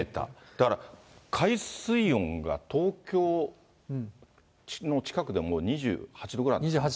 だから海水温が東京の近くでも２８度くらいあるの？